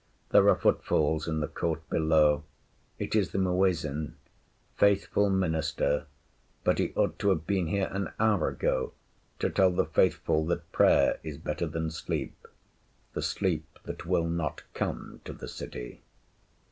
There are footfalls in the court below. It is the Muezzin faithful minister; but he ought to have been here an hour ago to tell the Faithful that prayer is better than sleep the sleep that will not come to the city.